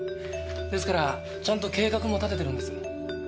ですからちゃんと計画も立ててるんです。